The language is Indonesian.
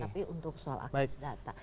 tapi untuk soal akses data